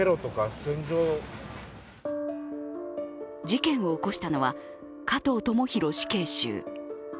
事件を起こしたのは加藤智大死刑囚。